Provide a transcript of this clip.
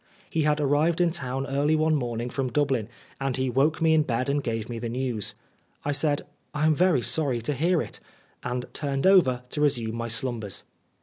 He had arrived in town early one morning from Dublin, and he woke me in bed and gave me the news. I said, " I am very sorry to hear it," and turned over to resume my slumbers.